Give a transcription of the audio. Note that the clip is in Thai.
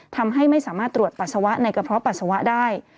ทำให้ไม่สามารถตรวจปัสสาวะในกระเพาะปัสสาวะได้